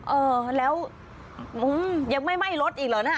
เออแล้วยังไม่ไหม้รถอีกเหรอนะ